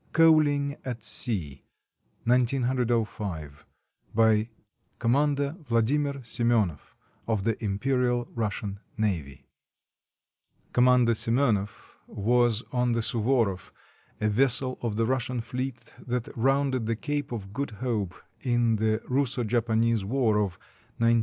COALING AT SEA BY COMMANDER VLADIMIR SEMENOFF, OF THE IMPERIAL RUSSIAN NAVY [Commander Semenoff was on the Suvoroff , a vessel of the Russian fleet that rounded the Cape of Good Hope in the Russo Japanese War of 1904 05.